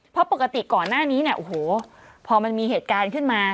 เพราะปกติก่อนหน้านี้เนี่ยโอ้โหพอมันมีเหตุการณ์ขึ้นมา